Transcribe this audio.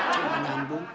satu menahan bu